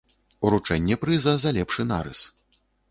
Уручэнне прыза за лепшы нарыс.